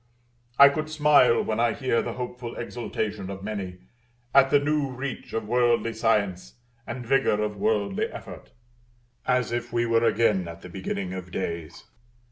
I could smile when I hear the hopeful exultation of many, at the new reach of worldly science, and vigor of worldly effort; as if we were again at the beginning of days.